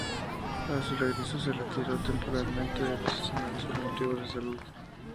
A su regreso se retiró temporalmente de los escenarios por motivos de salud.